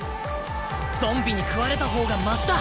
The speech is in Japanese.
ゾンビに食われた方がましだ。